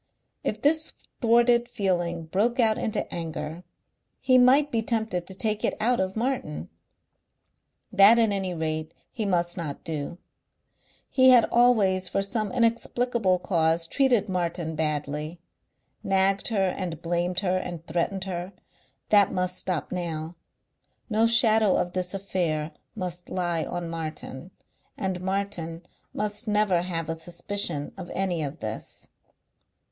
If this thwarted feeling broke out into anger he might be tempted to take it out of Martin. That at any rate he must not do. He had always for some inexplicable cause treated Martin badly. Nagged her and blamed her and threatened her. That must stop now. No shadow of this affair must lie on Martin.... And Martin must never have a suspicion of any of this....